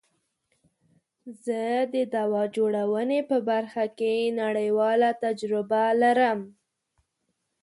زه د دوا جوړونی په برخه کی نړیواله تجربه لرم.